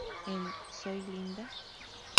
En "¿Soy linda?